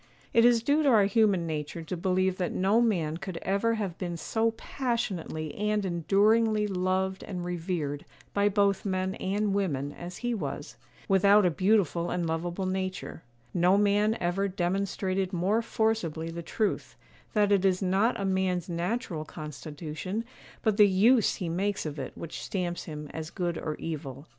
It is due to our human nature to believe that no man could ever have been so passionately and enduringly loved and revered by both men and women as he was, without a beautiful and lovable nature; no man ever demonstrated more forcibly the truth, that it is not a man's natural constitution, but the use he makes of it which stamps him as good or evil.